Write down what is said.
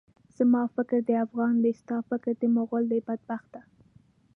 زما فکر د افغان دی، ستا فکر د مُغل دی، بدبخته!